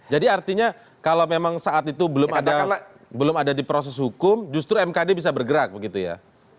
jadi artinya kalau memang saat itu belum ada di proses hukum justru mkd bisa bergerak begitu ya